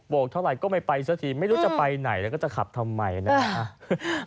กเท่าไหร่ก็ไม่ไปสักทีไม่รู้จะไปไหนแล้วก็จะขับทำไมนะครับ